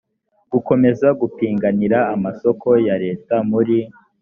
gukomeza gupiganira amasoko ya leta muri